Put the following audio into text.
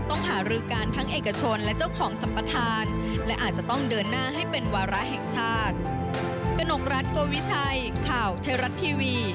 หารือกันทั้งเอกชนและเจ้าของสัมปทานและอาจจะต้องเดินหน้าให้เป็นวาระแห่งชาติ